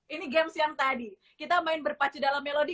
ini games yang tadi kita main berpacu dalam melodi